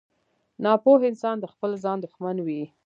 • ناپوه انسان د خپل ځان دښمن وي.